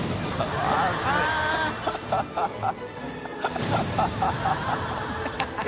ハハハ